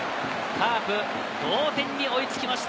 カープが同点に追いつきました。